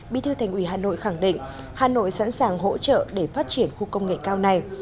bí thư thành ủy hà nội khẳng định hà nội sẵn sàng hỗ trợ để phát triển khu công nghệ cao này